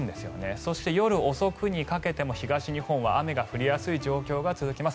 そして夜遅くにかけても東日本は雨が降りやすい状況が続きます。